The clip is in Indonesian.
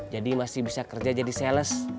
jadi masih bisa kerja jadi sales